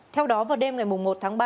theo đó vào đêm ngày một tháng ba